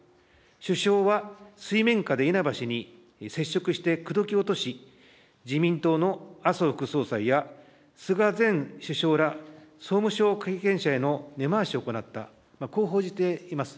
首相は水面下で稲葉氏に接触して口説き落とし、自民党の麻生副総裁や菅前首相ら、総務相経験者への根回しを行った、こう報じています。